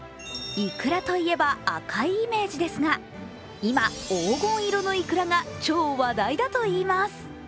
イクラといえば赤いイメージですが今、黄金色のイクラが超話題だといいます。